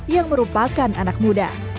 yang merupakan anak muda